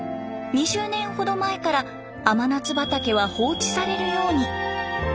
２０年ほど前から甘夏畑は放置されるように。